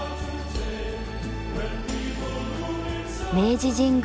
明治神宮